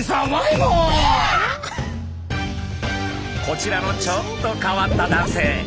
こちらのちょっと変わった男性。